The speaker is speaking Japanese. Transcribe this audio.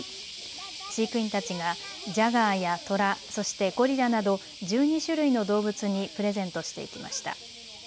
飼育員たちがジャガーやトラ、そしてゴリラなど１２種類の動物にプレゼントしていきました。